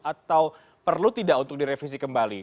atau perlu tidak untuk direvisi kembali